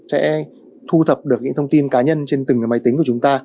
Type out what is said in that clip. sẽ thu thập được những thông tin cá nhân trên từng máy tính của chúng ta